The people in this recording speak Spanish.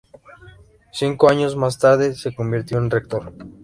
Cinco años más tarde se convirtió en rector.